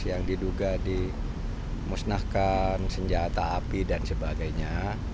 yang diduga dimusnahkan senjata api dan sebagainya